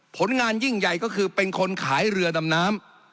ผลงานยิ่งใหญ่ก็คือเป็นคนขายเรือดำน้ำ